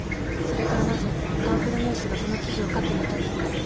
それからなぜ『カンフルＮＥＷＳ』がその記事を書くに至ったか。